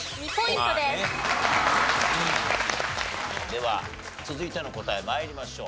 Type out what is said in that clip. では続いての答え参りましょう。